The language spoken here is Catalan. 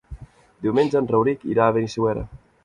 Diumenge en Rauric irà a Benissuera.